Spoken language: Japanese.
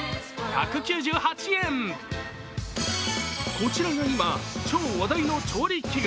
こちらが今、超話題の調理器具。